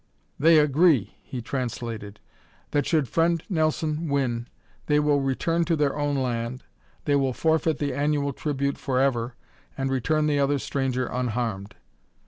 "They agree," he translated, "that, should Friend Nelson win, they will return to their own land, they will forfeit the annual tribute forever and return the other stranger unharmed.